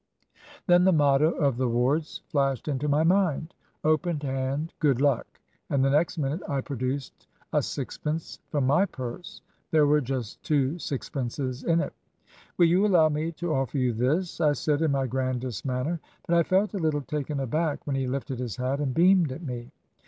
"Then the motto of the Wards flashed into my mind, 'Open hand, good luck,' and the next minute I produced a sixpence from my purse there were just two sixpences in it. "'Will you allow me to offer you this?' I said, in my grandest manner; but I felt a little taken aback when he lifted his hat and beamed at me.